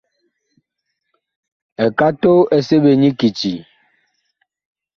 Ekato ɛ seɓe la nyi kiti ?